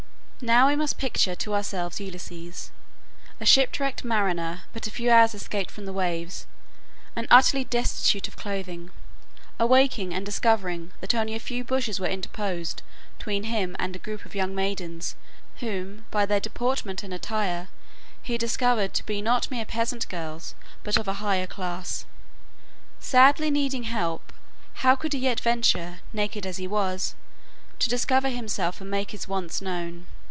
Now we must picture to ourselves Ulysses, a ship wrecked mariner, but a few hours escaped from the waves, and utterly destitute of clothing, awaking and discovering that only a few bushes were interposed tween him and a group of young maidens whom, by their deportment and attire, he discovered to be not mere peasant girls, but of a higher class. Sadly needing help, how could he yet venture, naked as he was, to discover himself and make his wants known?